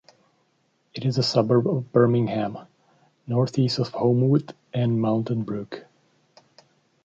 It is a suburb of Birmingham, northeast of Homewood and Mountain Brook.